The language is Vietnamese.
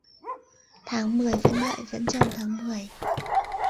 Tháng mười vẫn đợi vẫn trông tháng mười..